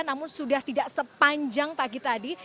namun sudah tidak sepanjang pagi tadi